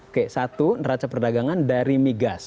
ke satu neraca perdagangan dari migas